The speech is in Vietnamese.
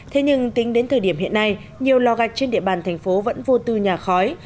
thế nhưng tính đến thời điểm hiện nay nhiều lò gạch trên địa bàn thành phố vẫn vô tư nhà khói